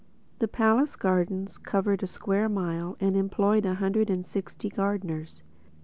The palace gardens covered a square mile and employed a hundred and sixty gardeners.